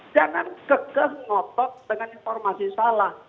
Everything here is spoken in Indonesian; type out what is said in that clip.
jangan kekeh ngotot dengan informasi salah